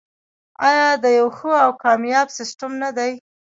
آیا د یو ښه او کامیاب سیستم نه دی؟